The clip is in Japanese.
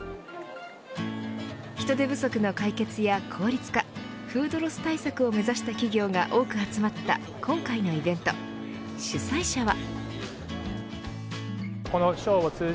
人手不足の解決や効率化フードロス対策を目指した企業が多く集まった今回のイベント主催者は。